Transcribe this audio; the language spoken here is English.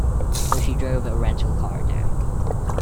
So she drove a rental car down.